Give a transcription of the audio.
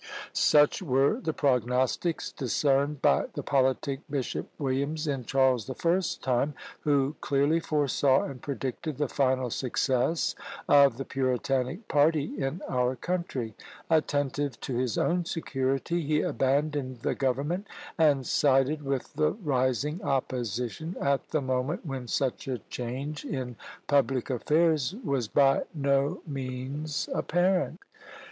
Such were the prognostics discerned by the politic Bishop Williams in Charles the First's time, who clearly foresaw and predicted the final success of the Puritanic party in our country: attentive to his own security, he abandoned the government and sided with the rising opposition, at the moment when such a change in public affairs was by no means apparent.